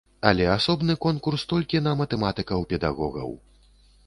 Але асобны конкурс толькі на матэматыкаў-педагогаў.